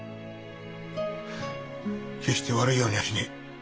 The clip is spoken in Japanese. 決して悪いようにはしねえ。